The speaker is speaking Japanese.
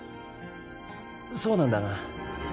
そうなんだな？